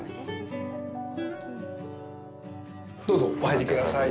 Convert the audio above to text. どうぞ、お入りください。